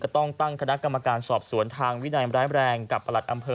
ต้องตั้งคณะกรรมการสอบสวนทางวินัยร้ายแรงกับประหลัดอำเภอ